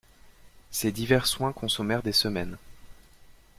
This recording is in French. Ces divers soins consommèrent des semaines.